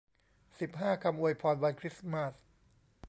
สิบห้า คำอวยพรวันคริสต์มาส